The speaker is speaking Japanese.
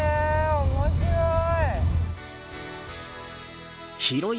面白い。